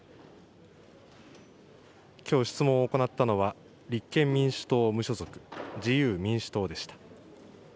きょう質問を行ったのは、立憲民主党無所属、自由民主党でした。